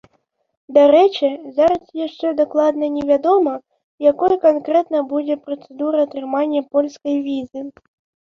Дарэчы, зараз яшчэ дакладна не вядома, якой канкрэтна будзе працэдура атрымання польскай візы.